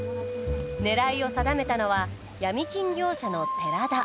狙いを定めたのは闇金業者の寺田。